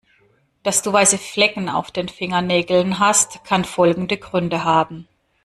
Dass du weiße Flecken auf den Fingernägeln hast, kann folgende Gründe haben.